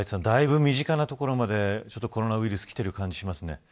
だいぶ身近なところまでコロナウイルスがきている感じがしますね。